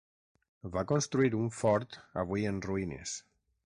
Va construir un fort avui en ruïnes.